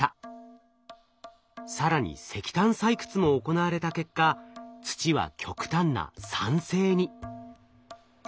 更に石炭採掘も行われた結果土は極端な酸性に。